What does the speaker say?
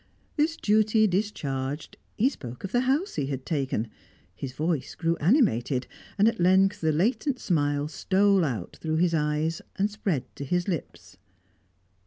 This duty discharged, he spoke of the house he had taken; his voice grew animated; at length the latent smile stole out through his eyes and spread to his lips.